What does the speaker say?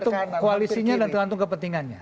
tergantung koalisinya dan tergantung kepentingannya